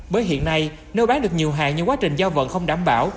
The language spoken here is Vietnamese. bởi hiện nay nếu bán được nhiều hàng nhưng quá trình giao vận không đảm bảo